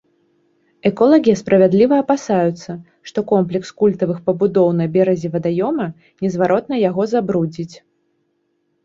Эколагі справядліва апасаюцца, што комплекс культавых пабудоў на беразе вадаёма незваротна яго забрудзіць.